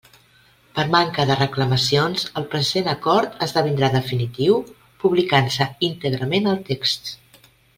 Per manca de reclamacions el present acord esdevindrà definitiu, publicant-se íntegrament el text.